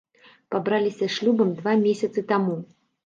Пабраліся шлюбам два месяцы таму.